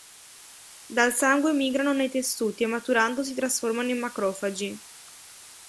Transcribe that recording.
Dal sangue migrano nei tessuti e maturando si trasformano in macrofagi.